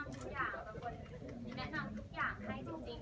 มีคุณแม่วชาร์จด้วยวชาร์จเช่นเป้นคุณแม่ของผม